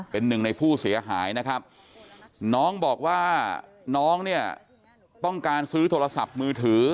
เป็นหนึ่งในผู้เสียหายนะครับน้องบอกว่าน้องเนี่ยต้องการซื้อโทรศัพท์มือถือ